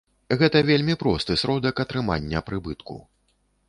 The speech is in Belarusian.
Гэта вельмі просты сродак атрымання прыбытку.